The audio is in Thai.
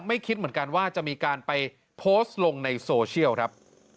คิดเหมือนกันว่าจะมีการไปโพสต์ลงในโซเชียลครับ